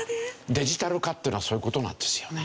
デジタル化っていうのはそういう事なんですよね。